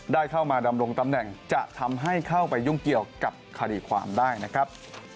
ได้เข้ามาดำรงตำแหน่งจะทำให้เข้าไปยุ่งเกี่ยวกับคดีความได้นะครับ